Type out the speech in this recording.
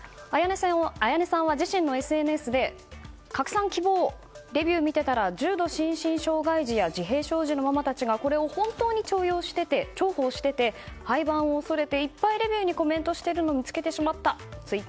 あやねさんは自身のＳＮＳで拡散希望レビュー見てたら重度心身障害や自閉症児のママたちがこれを本当に重宝してて廃盤を恐れていっぱいレビューにコメントしてるの見つけてしまった。